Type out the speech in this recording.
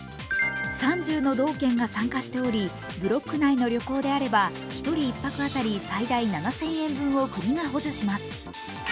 ３０の道県が参加しておりブロック内の旅行であれば１人１泊当たり最大７０００円分を国が補助します。